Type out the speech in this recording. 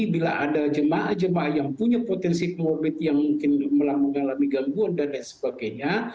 bila ada jemaah jemaah yang punya potensi comorbid yang mungkin mengalami gangguan dan lain sebagainya